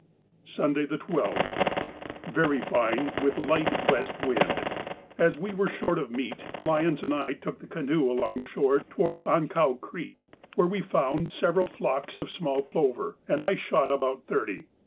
Sunday, the 12th.—Very fine, with a light west wind. As we were short of meat Lyons and I took the canoe along the shore towards Ankau Creek, where we found several flocks of small plover, and I shot about thirty.